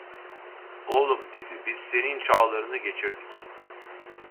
"Oğlum" dedi, "biz senin çağlarını geçirdik."